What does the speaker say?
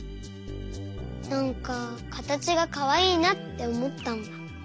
なんかかたちがかわいいなっておもったんだ。